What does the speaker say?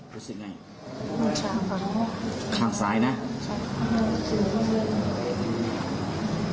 รู้สึกไงข้างซ้ายนะใช่ค่ะ